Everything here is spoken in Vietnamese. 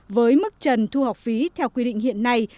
với mức trần thu học phí theo quy định hiện nay